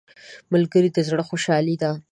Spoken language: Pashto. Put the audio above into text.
ملګری د زړه خوشحالي ده